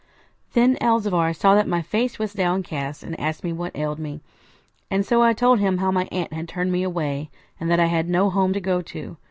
Then Elzevir saw that my face was downcast, and asked what ailed me, and so I told him how my aunt had turned me away, and that I had no home to go to.